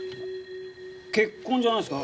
血痕じゃないですか？